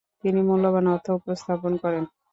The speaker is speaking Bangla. তিনি মূল্যবান অর্থ উপস্থাপন করেন।